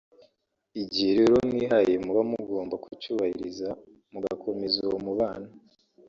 igihe rero mwihaye muba mugomba kucyubahiriza mugakomeza uwo mubano